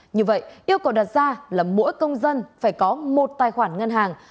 như vậy yêu cầu đặt ra là mỗi công dân phải có một tài khoản ngân hàng